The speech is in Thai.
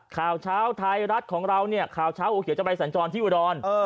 ข่าวเช้าไทยรัฐของเราเนี่ยข่าวเช้าโอเขียวจะไปสัญจรที่อุดร